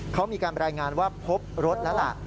เขามีการรายงานว่าพบรถนั่นแหละ